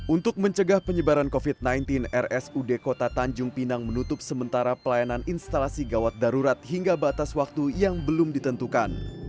untuk mencegah penyebaran covid sembilan belas rsud kota tanjung pinang menutup sementara pelayanan instalasi gawat darurat hingga batas waktu yang belum ditentukan